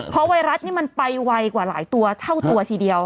เพราะไวรัสนี่มันไปไวกว่าหลายตัวเท่าตัวทีเดียว